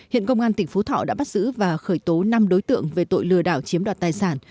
hiện công an tỉnh phú thọ đã bắt giữ và khởi tố năm đối tượng về tội lừa đảo chiếm đoạt tài sản